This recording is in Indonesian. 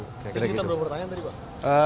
sekitar berapa pertanyaan tadi pak